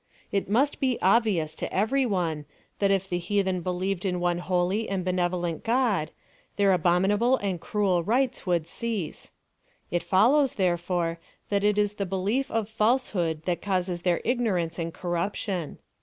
ft must be obvious to every one, that if the heatheij believed in one holy and benevolent God, their abom inable and cruel rites would cease. It follows, there fore, that it is the belief of falsehood that causes their ignorance and corruption.